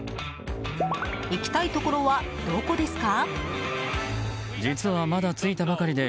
行きたいところは、どこですか？